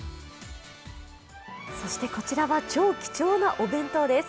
そして、こちらは超貴重なお弁当です。